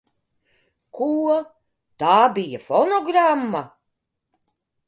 Ko? Tā bija fonogramma?